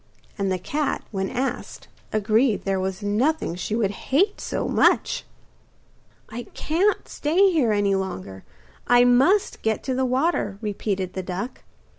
And the cat, when asked, agreed there was nothing she would hate so much. 'I can't stay here any longer, I Must get to the water,' repeated the duck.